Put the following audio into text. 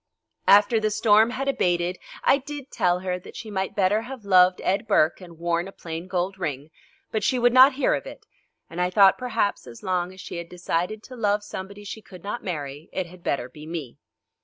After the storm had abated I did tell her that she might better have loved Ed Burke and worn a plain gold ring, but she would not hear of it, and I thought perhaps as long as she had decided to love somebody she could not marry, it had better be me.